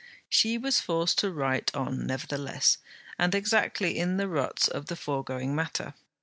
She was forced to write on nevertheless, and exactly in the ruts of the foregoing matter.